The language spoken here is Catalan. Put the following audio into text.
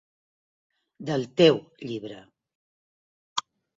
Del "teu" llibre!".